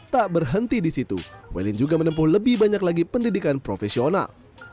tak berhenti di situ welin juga menempuh lebih banyak lagi pendidikan profesional